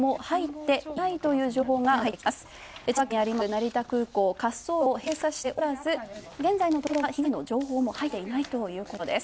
成田空港は滑走路を閉鎖しておらず現在のところ、被害の情報も入っていないということです。